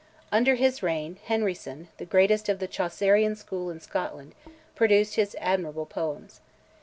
Under his reign, Henryson, the greatest of the Chaucerian school in Scotland, produced his admirable poems.